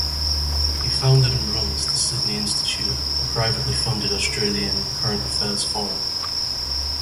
He founded and runs the Sydney Institute, a privately funded Australian current affairs forum.